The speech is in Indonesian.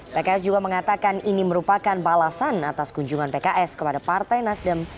pks juga mengatakan ini merupakan balasan atas kunjungan pks kepada partai nasdem